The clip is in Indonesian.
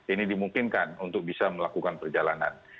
ini dimungkinkan untuk bisa melakukan perjalanan